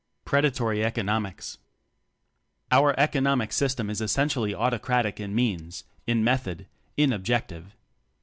Predatory Economics. Our "economic system" is essen tially autocratic in means, in method, in objective.